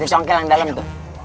nih congkel yang dalem tuh